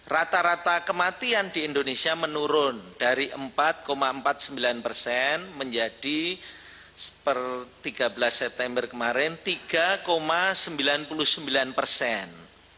rata rata kematian di indonesia menurun dari empat empat puluh sembilan persen menjadi per tiga belas september kemarin tiga sembilan puluh sembilan persen